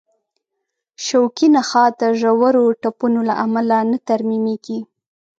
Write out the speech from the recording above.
شوکي نخاع د ژورو ټپونو له امله نه ترمیمېږي.